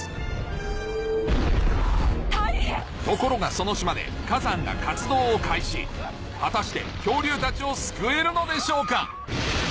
ところがその島で火山が活動を開始果たして恐竜たちを救えるのでしょうか